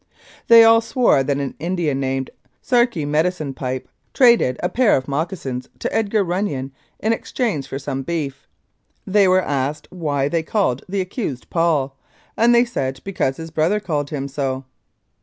They all swore that an Indian named "Sarcee Medicine Pipe" traded a pair of moccasins to Edgar Runnion in exchange for some beef. They were asked why they called the accused "Paul," and they said because his brother called him so.